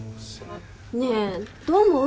ねえどう思う？